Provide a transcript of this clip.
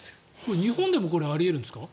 日本でもこれ、あり得るんですか？